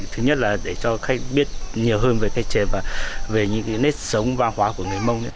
thứ nhất là để cho khách biết nhiều hơn về cây trẻ và về những cái nét sống văn hóa của người mông